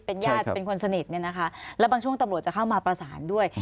เป็นญาติเป็นคนสนิทและบางช่วงตำรวจจะเข้ามาประสานด้วย